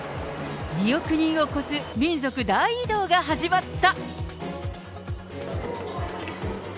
２億人を超す民族大移動が始まった。